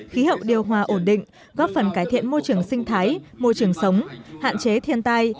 khí hậu điều hòa ổn định góp phần cải thiện môi trường sinh thái môi trường sống hạn chế thiên tai